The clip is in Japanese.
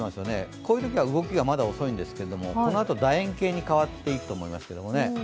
こういうときは動きが遅いんですけどこのあと楕円形に変わっていくと思います。